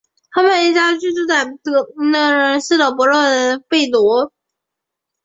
他们一家居住在都柏林市波特贝罗。